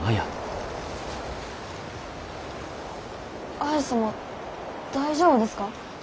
綾様大丈夫ですか？